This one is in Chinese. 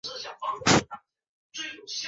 富热罗勒人口变化图示